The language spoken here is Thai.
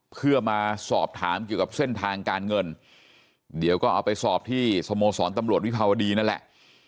เพื่อมาสอบถามเกี่ยวกับเส้นทางการเงินเดี๋ยวก็เอาไปสอบที่สโมสรตำรวจวิภาวดีนั่นแหละ